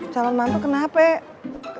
calon mantu kenapa